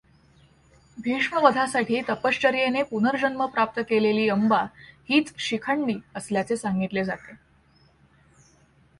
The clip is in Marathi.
भीष्मवधासाठी तपश्चर्येने पुनर्जन्म प्राप्त केलेली अंबा हीच शिखंडी असल्याचे सांगितले जाते.